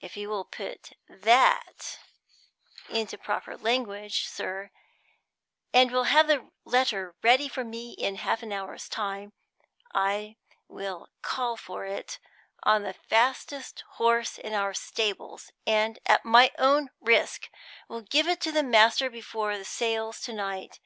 If you will put that into proper language, sir, and will have the letter ready for me in half an hour's time, I will call for it on the fastest horse in our stables, and, at my own risk, will give it to my master before he sails to night.